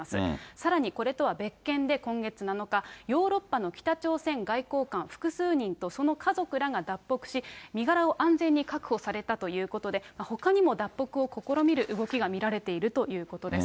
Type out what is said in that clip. さらにこれとは別件で、今月７日、ヨーロッパの北朝鮮外交官複数人と、その家族らが脱北し、身柄を安全に確保されたということで、ほかにも脱北を試みる動きが見られているということです。